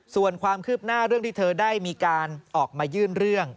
ส่วนความคืบหน้าเรื่องที่เธอได้มีการออกมายื่นเรื่อง